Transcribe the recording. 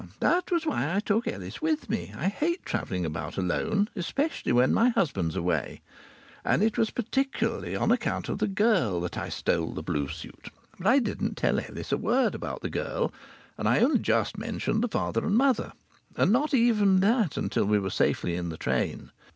Now that was why I took Ellis with me. I hate travelling about alone, especially when my husband's away. And it was particularly on account of the girl that I stole the blue suit. But I didn't tell Ellis a word about the girl, and I only just mentioned the father and mother and not even that until we were safely in the train.